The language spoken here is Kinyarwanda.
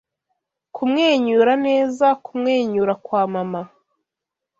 Kumwenyura neza, kumwenyura kwa mama